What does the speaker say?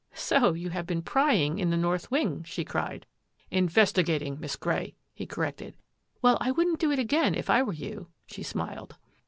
" So you have been prying in the north wing !" she cried. " Investigating, Miss Grey," he corrected. " Well, I wouldn't do it again if I were you," she smiled.